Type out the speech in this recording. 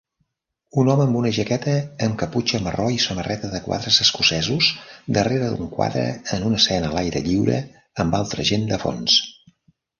Un home amb una jaqueta amb caputxa marró i samarreta de quadres escocesos darrera d'un quadre en una escena a l'aire lliure amb altra gent de fons